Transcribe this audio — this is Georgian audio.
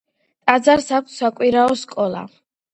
ტაძარს აქვს საკვირაო სკოლა.